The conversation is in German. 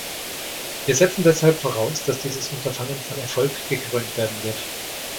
Wir setzen deshalb voraus, dass dieses Unterfangen von Erfolg gekrönt werden wird.